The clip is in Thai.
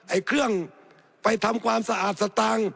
ไอ้เครื่องไปทำความสะอาดสตางค์